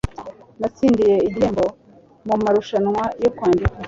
Natsindiye igihembo mumarushanwa yo kwandika.